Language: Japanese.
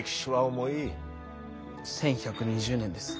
１，１２０年です。